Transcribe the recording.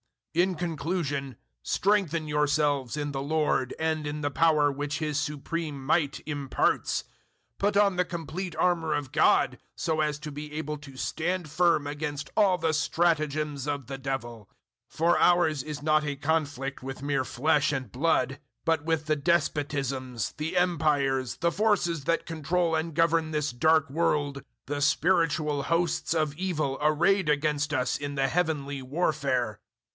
006:010 In conclusion, strengthen yourselves in the Lord and in the power which His supreme might imparts. 006:011 Put on the complete armour of God, so as to be able to stand firm against all the stratagems of the Devil. 006:012 For ours is not a conflict with mere flesh and blood, but with the despotisms, the empires, the forces that control and govern this dark world the spiritual hosts of evil arrayed against us in the heavenly warfare.